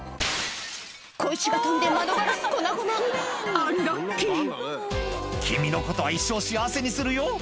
小石が飛んで窓ガラス粉々アンラッキー「君のことを一生幸せにするよ」